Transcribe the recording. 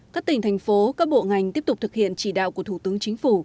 các tỉnh thành phố các bộ ngành tiếp tục thực hiện chỉ đạo của thủ tướng chính phủ